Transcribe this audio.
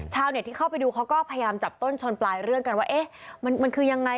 ชาวเน็ตที่เข้าไปดูเขาก็พยายามจับต้นชนปลายเรื่องกันว่าเอ๊ะมันคือยังไง